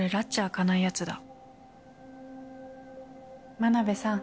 真鍋さん。